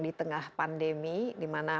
di tengah pandemi dimana